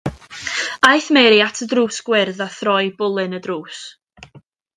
Aeth Mary at y drws gwyrdd a throi bwlyn y drws.